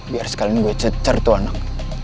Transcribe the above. biar sekali ini gue cecer tuh anak